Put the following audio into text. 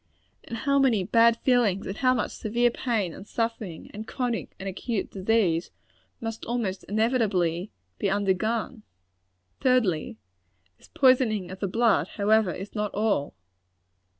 And how many bad feelings, and how much severe pain and suffering, and chronic and acute disease, must almost inevitably be undergone! Thirdly this poisoning of the blood, however, is not all.